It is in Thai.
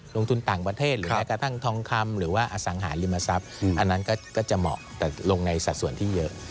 ลงทุนต่างประเทศหรือแม้กระทั่งทองคำหรือว่าอสังหาริมทรัพย์อันนั้นก็จะเหมาะแต่ลงในสัดส่วนที่เยอะ